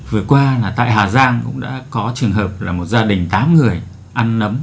vừa qua là tại hà giang cũng đã có trường hợp là một gia đình tám người ăn nấm